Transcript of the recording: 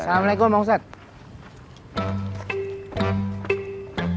assalamualaikum bang ustadz